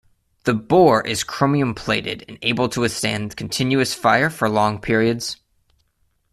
The bore is chromium-plated and able to withstand continuous fire for long periods.